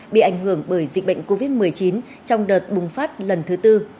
bị ảnh hưởng bởi dịch bệnh covid một mươi chín trong đợt bùng phát lần thứ tư